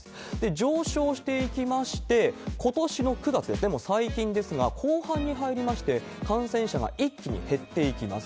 上昇していきまして、ことしの９月ですね、もう最近ですが、後半に入りまして、感染者が一気に減っていきます。